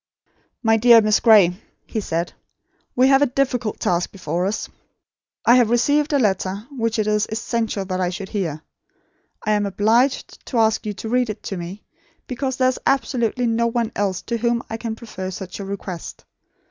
"My dear Miss Gray," he said, "we have a difficult task before us. I have received a letter, which it is essential I should hear. I am obliged to ask you to read it to me, because there is absolutely no one else to whom I can prefer such a request.